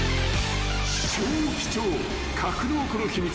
［超貴重格納庫の秘密］